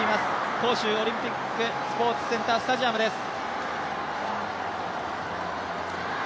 杭州オリンピックスポーツセンタースタジアムです。